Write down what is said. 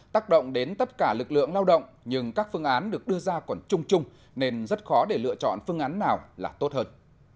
tác động đến tất cả lực lượng lao động nhưng các phương án được đưa ra còn chung chung nên rất khó để lựa chọn phương án nào là tốt hơn